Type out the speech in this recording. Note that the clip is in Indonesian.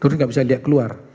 terus gak bisa liat keluar